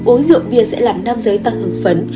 uống rượu bia sẽ làm nam giới tăng hưởng phấn